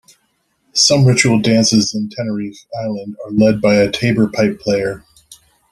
Some ritual dances in Tenerife island are led by a tabor pipe player.